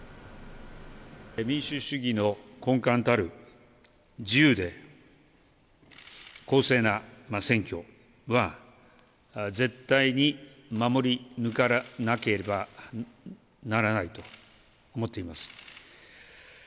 民主主義の根幹たる自由で公正な選挙は、絶対に守り抜かなければならないと思っています。